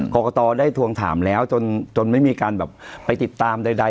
กรกตได้ทวงถามแล้วจนไม่มีการแบบไปติดตามใด